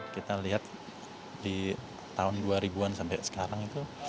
kita lihat di tahun dua ribu an sampai sekarang itu